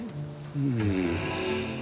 うん。